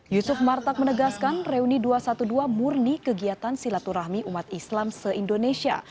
yusuf martak menegaskan reuni dua ratus dua belas murni kegiatan silaturahmi umat islam se indonesia